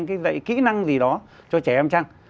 có thể là có cái kỹ năng gì đó cho trẻ em chăng